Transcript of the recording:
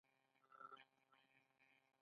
کله چې افغانستان کې ولسواکي وي واک د ولس وي.